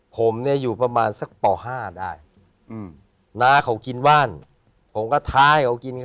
ผมเนี่ยอยู่ประมาณสักป๕ได้น้าเขากินว่านผมก็ท้าให้เขากินกัน